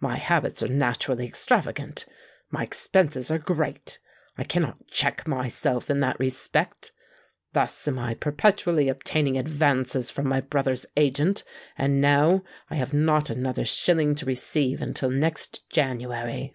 My habits are naturally extravagant: my expenses are great—I cannot check myself in that respect. Thus am I perpetually obtaining advances from my brother's agent; and now I have not another shilling to receive until next January."